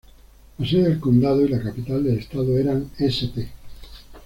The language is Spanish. La sede del condado y la capital del estado eran St.